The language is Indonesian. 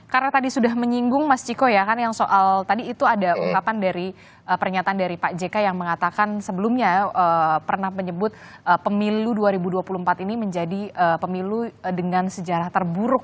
karena tadi sudah menyinggung mas ciko ya kan yang soal tadi itu ada ungkapan dari pernyataan dari pak jk yang mengatakan sebelumnya pernah menyebut pemilu dua ribu dua puluh empat ini menjadi pemilu dengan sejarah terburuk